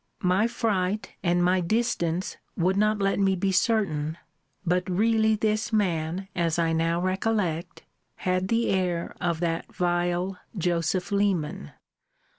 my fright, and my distance, would not let me be certain; but really this man, as I now recollect, had the air of that vile Joseph Leman.